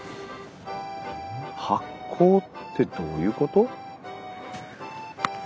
発酵ってどういうこと？